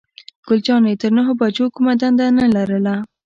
ګل جانې تر نهو بجو کومه دنده نه لرله.